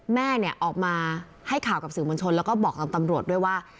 แม่ออกมาให้ข่าวกับสิ่งบัญชนแล้วก็บอกตำรวจด้วยว่า